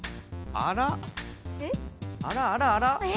あらあらあら？え？